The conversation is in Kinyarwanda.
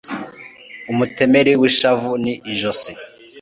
umutemeli wishavu ni ijosi